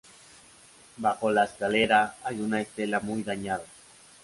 Bajo la escalera hay una estela muy dañada.